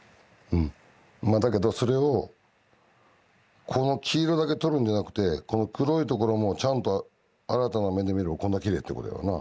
まあだけどそれをこの黄色だけ取るんじゃなくてこの黒いところもちゃんと新たな目で見ればこんなきれいってことよな。